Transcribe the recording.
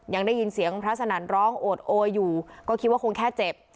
ยังได้ยินเสียงพระสนั่นร้องโอดโออยู่ก็คิดว่าคงแค่เจ็บ